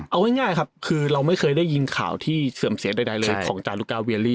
เอาง่ายครับคือเราไม่เคยได้ยินข่าวที่เสื่อมเสียใดเลยของจารุกาเวียลี่